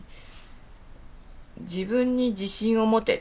「自分に自信をもて」。